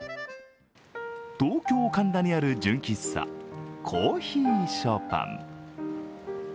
東京・神田にある純喫茶、珈琲ショパン。